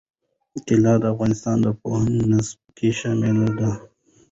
طلا د افغانستان د پوهنې نصاب کې شامل دي.